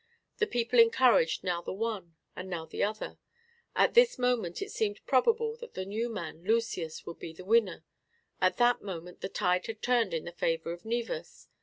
The people encouraged now the one and now the other. At this moment it seemed probable that the new man, Lucius, would be the winner; at that moment the tide had turned in the favour of Naevus.